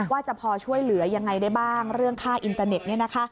ว่าจะพอช่วยเหลือยังไงได้บ้างเรื่องค่าอินเตอร์เน็ต